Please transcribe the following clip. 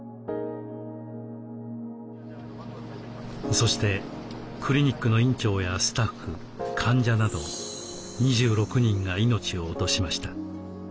そしてクリニックの院長やスタッフ患者など２６人が命を落としました。